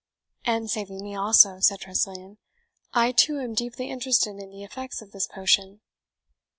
"And saving me also," said Tressilian. "I too am deeply interested in the effects of this potion."